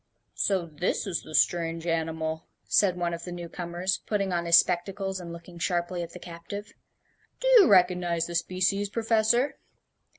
"So this is the strange animal," said one of the new comers, putting on his spectacles and looking sharply at the captive; "do you recognize the species, Professor?"